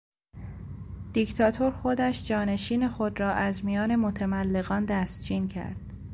دیکتاتور خودش جانشین خود را از میان متملقان دستچین کرد.